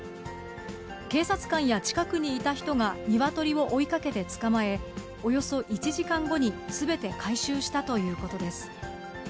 警察官や近くにいた人がニワトリを追いかけて捕まえ、およそ１時間後にすべて回収したということです。